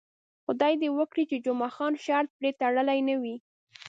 خدای دې وکړي چې جمعه خان شرط پرې تړلی نه وي.